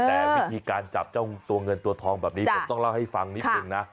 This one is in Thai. แต่วิธีการจับเจ้าตัวเงินตัวทองแบบนี้ผมต้องเล่าให้ฟังนิดนึงนะ